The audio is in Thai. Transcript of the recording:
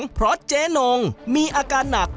เพราะเจ๊นงมีอาการหนัก